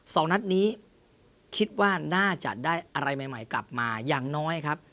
สองนัดนี้คิดว่าน่าจะได้อะไรใหม่ใหม่กลับมาอย่างน้อยครับ